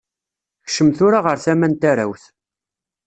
Kcem tura ɣer tama n tarawt.